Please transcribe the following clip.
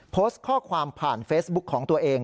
โพสต์ข้อความผ่านเฟซบุ๊คของตัวเอง